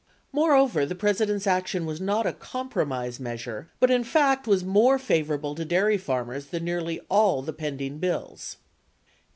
Moreover, the President's action was not a compromise measure but, in fact, was more favorable to dairy farmers than nearly all the pending bills.